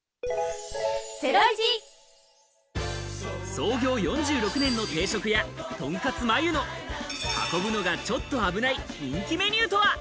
創業４６年の定食屋、とんかつ麻釉の運ぶのがちょっと危ない人気メニューとは？